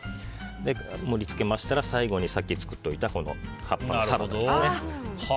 盛り付けましたら最後にさっき作っておいた葉っぱのサラダをね。